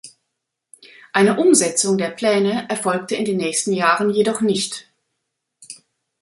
Eine Umsetzung der Pläne erfolgte in den nächsten Jahren jedoch nicht.